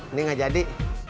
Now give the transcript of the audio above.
ini nggak jadi